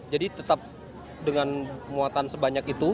jadi tetap dengan muatan sebanyak itu